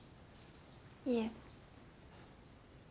いえ。